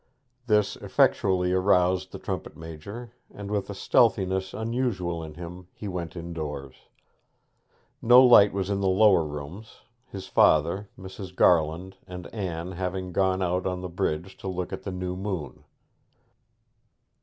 This effectually aroused the trumpet major, and with a stealthiness unusual in him he went indoors. No light was in the lower rooms, his father, Mrs. Garland, and Anne having gone out on the bridge to look at the new moon.